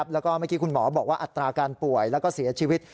แล้วก็เมื่อกี้คุณหมอบอกว่าอัตราการป่วยแล้วก็เสียชีวิต